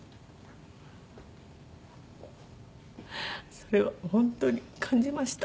それは本当に感じました。